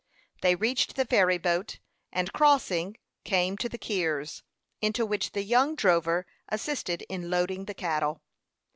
They reached the ferry boat, and crossing, came to the "keers," into which the young drover assisted in loading the cattle.